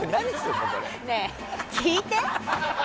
ねえ、聞いて。